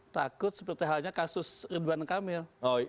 takut seperti halnya kasus ridwan kamil